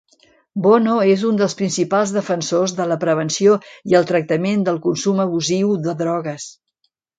Bono és un dels principals defensors de la prevenció i el tractament del consum abusiu de drogues.